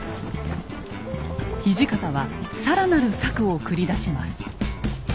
土方は更なる策を繰り出します。